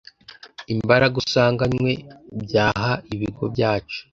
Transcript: imbaraga usanganywe, byaha ibigo byacu